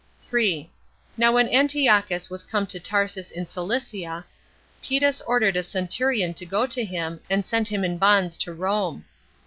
3. Now when Antiochus was come to Tarsus in Cilicia, Petus ordered a centurion to go to him, and send him in bonds to Rome.